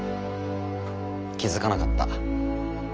気付かなかった。